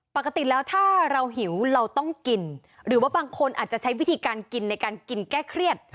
ปกติแล้วถ้าเราหิวเราต้องกินหรือว่าบางคนอาจจะใช้วิธีการกินในการกินแก้เครียด